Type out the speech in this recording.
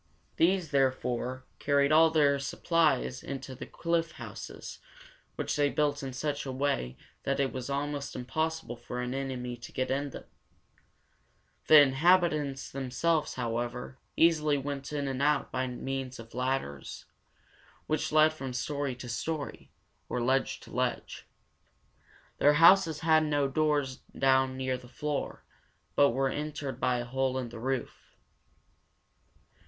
These, therefore, carried all their supplies into the cliff houses, which they built in such a way that it was almost impossible for an enemy to get in them. The inhabitants themselves, however, easily went in and out by means of ladders, which led from story to story, or from ledge to ledge. Their houses had no doors down near the floor, but were entered by a hole in the roof.